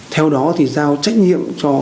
theo đó thì giao trách nhiệm cho